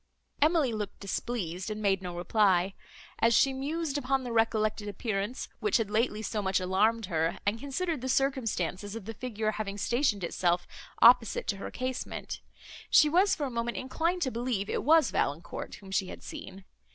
Emily looked displeased, and made no reply. As she mused upon the recollected appearance, which had lately so much alarmed her, and considered the circumstances of the figure having stationed itself opposite to her casement, she was for a moment inclined to believe it was Valancourt, whom she had seen.